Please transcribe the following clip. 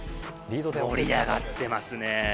盛り上がってますね。